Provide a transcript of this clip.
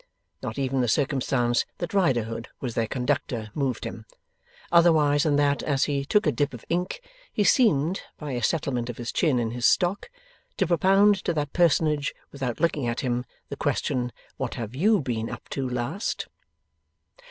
Not even the circumstance that Riderhood was their conductor moved him, otherwise than that as he took a dip of ink he seemed, by a settlement of his chin in his stock, to propound to that personage, without looking at him, the question, 'What have YOU been up to, last?